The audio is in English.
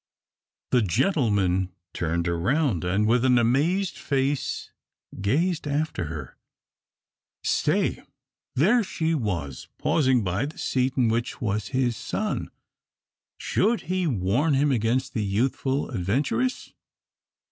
The gentleman turned around, and with an amazed face gazed after her. Stay there she was pausing by the seat in which was his son. Should he warn him against the youthful adventuress?